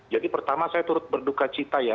pertama saya turut berduka cita ya